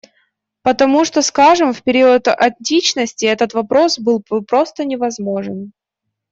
Потому, что, скажем, в период античности этот вопрос был бы просто невозможен.